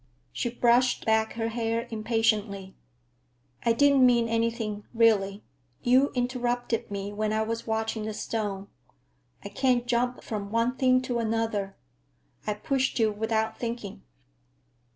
She brushed back her hair impatiently. "I didn't mean anything, really. You interrupted me when I was watching the stone. I can't jump from one thing to another. I pushed you without thinking."